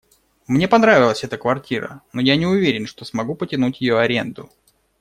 Мне понравилась эта квартира, но я не уверен, что смогу потянуть её аренду.